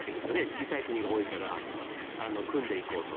小さい国が多いから組んでいこうと。